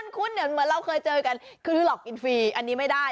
คุ้นเหมือนเราเคยเจอกันคือหลอกกินฟรีอันนี้ไม่ได้